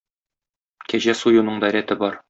Кәҗә суюның да рәте бар.